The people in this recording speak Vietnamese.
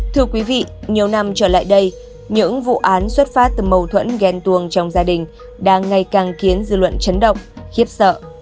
thưa quý vị nhiều năm trở lại đây những vụ án xuất phát từ mâu thuẫn ghen tuồng trong gia đình đang ngày càng khiến dư luận chấn động khiếp sợ